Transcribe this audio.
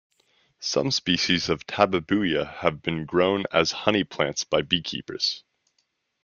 Some species of "Tabebuia" have been grown as honey plants by beekeepers.